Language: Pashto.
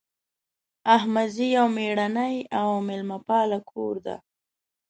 احمدزی یو میړنۍ او میلمه پاله کور ده